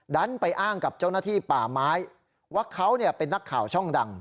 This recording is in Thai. ดันไปอ้างกับเจ้าหน้าที่ป่าไม้ว่าเขาเป็นนักข่าวช่องดัง